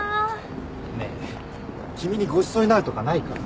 ねえ君にごちそうになるとかないから。